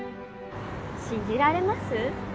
信じられます？